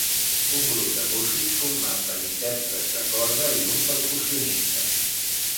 Un grup de músics format per intèrprets de corda i un percussionista.